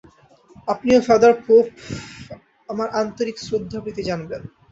আপনি ও father pope আমার আন্তরিক শ্রদ্ধা প্রীতি জানবেন।